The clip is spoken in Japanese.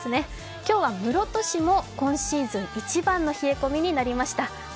今日は室戸市も今シーズン一番の冷え込みになりました。